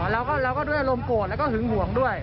แล้วก็ด้วยอารมณ์โกรธแล้วก็หึงห่วงด้วย